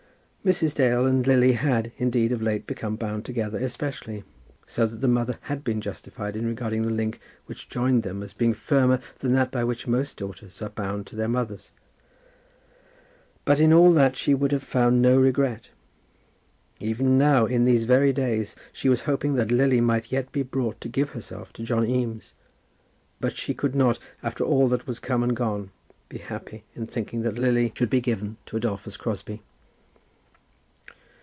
Mrs. Dale and Lily had, indeed, of late become bound together especially, so that the mother had been justified in regarding the link which joined them as being firmer than that by which most daughters are bound to their mothers; but in all that she would have found no regret. Even now, in these very days, she was hoping that Lily might yet be brought to give herself to John Eames. But she could not, after all that was come and gone, be happy in thinking that Lily should be given to Adolphus Crosbie.